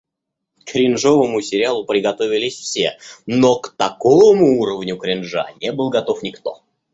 К кринжовому сериалу приготовились все, но к такому уровню кринжа не был готов никто.